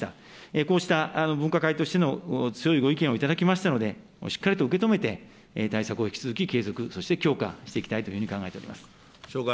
こうした分科会としての強いご意見を頂きましたので、しっかりと受け止めて対策を引き続き継続、そして強化していきたいというふうに考えております。